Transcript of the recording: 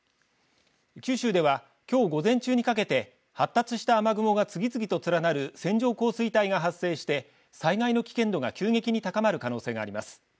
九州ではきょう午前中にかけて発達した雨雲が次々と連なる線状降水帯が発生して災害の危険度が急激に高まる可能性があります。